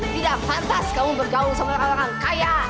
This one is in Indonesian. tidak pantas kamu bergaul sama orang orang kaya